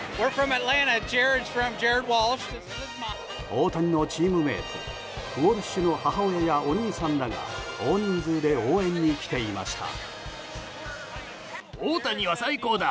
大谷のチームメートウォルシュの母親やお兄さんらが大人数で応援に来ていました。